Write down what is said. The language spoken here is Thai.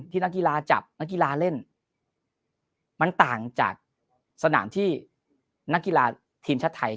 นักกีฬาจับนักกีฬาเล่นมันต่างจากสนามที่นักกีฬาทีมชาติไทย